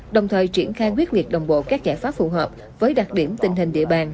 đồng thời triển khai quyết liệt đồng bộ các giải pháp phù hợp với đặc điểm tình hình địa bàn